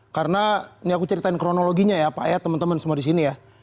karena ini aku ceritain kronologinya ya pak ya teman teman semua di sini ya